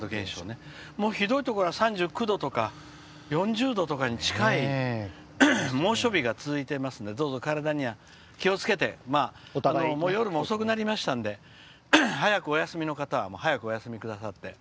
ひどいところは３９度とか４０度とかに近い猛暑日が続いていますのでどうぞ体には気をつけて夜も遅くなりましたので早くお休みの方は早くお休みくださって。